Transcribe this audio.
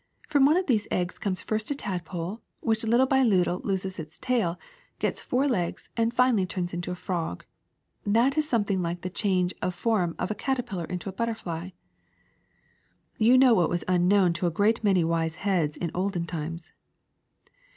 From one of these eggs comes first a tadpole, which little by little loses its tail, gets four legs, and finally turns into a frog. That is something like the change of form of a caterpillar into a butterfly. '' ^^You know what was unknown to a great many wise heads in olden times.''